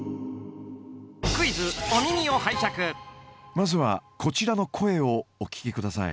まずはこちらの声をお聞きください。